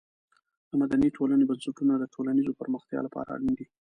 د مدني ټولنې بنسټونه د ټولنیزې پرمختیا لپاره اړین دي.